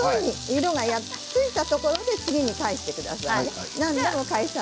色がついたところで返してください。